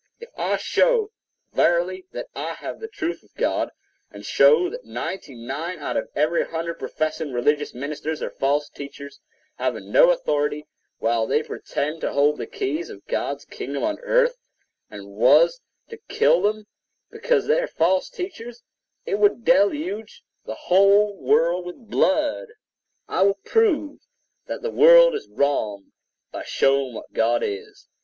If I show, verily, that I have the truth of God, and show that ninety nine out of every hundred professing religious ministers are false teachers, having no authority, while they pretend to hold the keys of God's kingdom on earth, and was to kill them because they are false teachers, it would deluge the whole world with blood. I will prove that the world is wrong, by showing what God is.